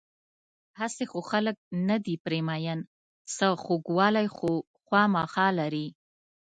هسې خو خلک نه دي پرې مین، څه خوږوالی خو خوامخا لري.